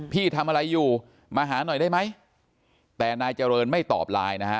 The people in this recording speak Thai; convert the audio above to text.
พี่ทำอะไรอยู่มาหาหน่อยได้ไหมแต่นายเจริญไม่ตอบไลน์นะฮะ